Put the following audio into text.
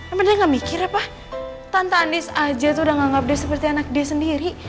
emang dia gak mikir ya pak tante andis aja udah nganggep dia seperti anak dia sendiri